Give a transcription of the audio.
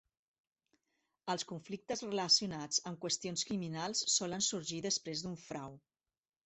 Els conflictes relacionats amb qüestions criminals solen sorgir després d'un frau.